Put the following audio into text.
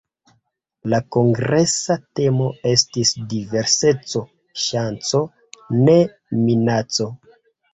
La kongresa temo estis "Diverseco: ŝanco, ne minaco".